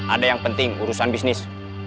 ada yang penting urusan bisnis